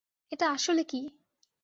এটা আসলে কী?